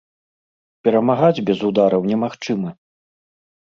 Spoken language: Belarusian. Перамагаць без удараў немагчыма.